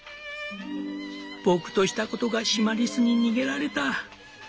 「僕としたことがシマリスに逃げられた」。